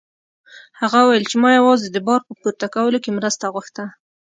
هغه وویل چې ما یوازې د بار په پورته کولو کې مرسته غوښته.